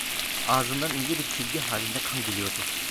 Ağzından ince bir çizgi halinde kan geliyordu.